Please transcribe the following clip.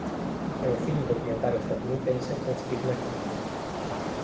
È un film documentario statunitense con Steve McQueen.